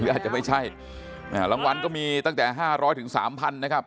อาจจะไม่ใช่รางวัลก็มีตั้งแต่๕๐๐๓๐๐นะครับ